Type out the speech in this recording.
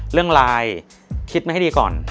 เรื่องไลน์คิดมาให้ดีก่อน